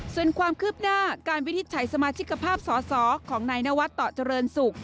ส่วนความคืบหน้าการวินิจฉัยสมาชิกภาพสอสอของนายนวัดต่อเจริญศุกร์